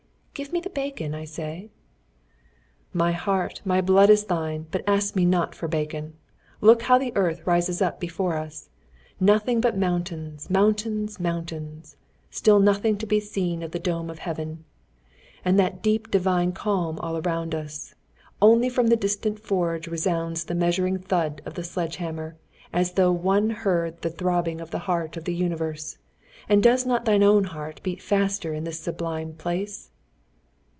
"Give me the bacon, I say." "My heart, my blood is thine, but ask me not for bacon! Look how the earth rises up before us; nothing but mountains, mountains, mountains! Still nothing to be seen of the dome of Heaven! And that deep divine calm around us! Only from the distant forge resounds the measured thud of the sledge hammer, as though one heard the throbbing of the heart of the universe! And does not thine own heart beat faster in this sublime place?"